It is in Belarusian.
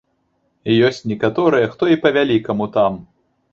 Ёсць некаторыя, хто і па-вялікаму там.